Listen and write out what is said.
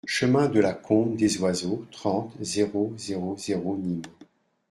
Chemin de la Combe des Oiseaux, trente, zéro zéro zéro Nîmes